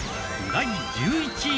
第１０位。